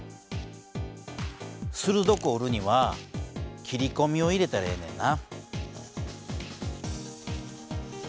鋭く折るには切り込みを入れたらええねんな。